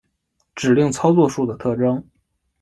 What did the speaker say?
指令操作数的特征